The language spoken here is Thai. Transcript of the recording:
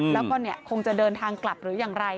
แล้วก็คงจะเดินทางกลับหรืออย่างไร